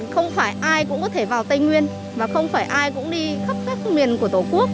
không phải ai cũng có thể vào tây nguyên và không phải ai cũng đi khắp các miền của tổ quốc